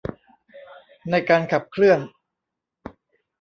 ในการขับเคลื่อน